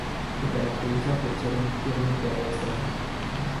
Se caracteriza por ser nocturno y terrestre.